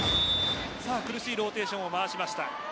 苦しいローテーションを回しました。